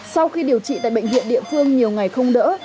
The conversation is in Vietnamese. sau khi điều trị tại bệnh viện địa phương nhiều ngày không đỡ